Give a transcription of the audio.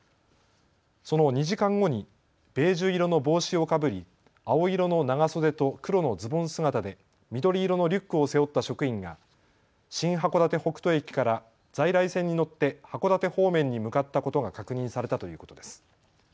その２時間後にベージュ色の帽子をかぶり、青色の長袖と黒のズボン姿で緑色のリュックを背負った職員が新函館北斗駅から在来線に乗って函館方面に向かったことが確認されたということです。